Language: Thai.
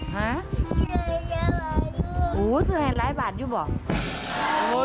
หาอู๋สุดแห่งร้ายบาทอยู่หรือเปล่า